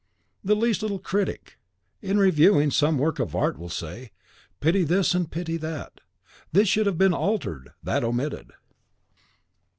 The least little critic, in reviewing some work of art, will say, "pity this, and pity that;" "this should have been altered, that omitted."